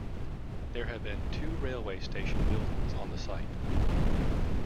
There have been two railway station buildings on the site.